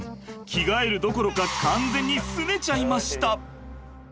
着替えるどころか完全にすねちゃいました。